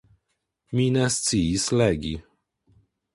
Mi ne sciis legi.